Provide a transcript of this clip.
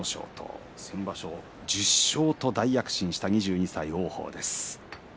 先場所に１０勝と大躍進した王鵬です。